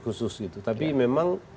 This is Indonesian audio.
khusus gitu tapi memang